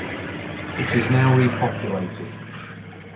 It is now repopulated.